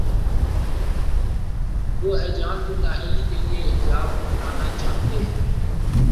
وہ ہیجان کو نا اہلی کے لیے حجاب بنانا چاہتے ہیں۔